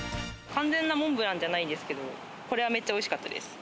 完全なモンブランじゃないんですけど、これはめっちゃ美味しかったです。